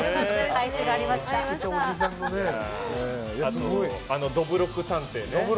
あのどぶろく探偵ね。